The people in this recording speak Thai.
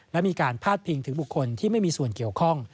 และมีการพาดพิงถึงบุคคลที่ไม่มีส่วนเกี่ยวข้อง